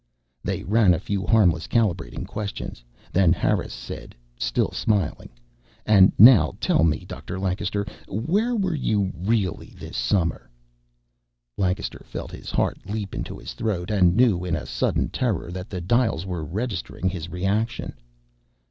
They ran a few harmless calibrating questions. Then Harris said, still smiling, "And now tell me, Dr. Lancaster. Where were you really this summer?" Lancaster felt his heart leap into his throat, and knew in a sudden terror that the dials were registering his reaction.